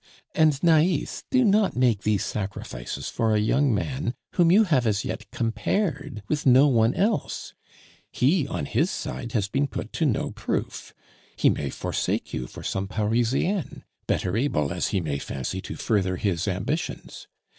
"And, Nais, do not make these sacrifices for a young man whom you have as yet compared with no one else; he, on his side, has been put to no proof; he may forsake you for some Parisienne, better able, as he may fancy, to further his ambitions.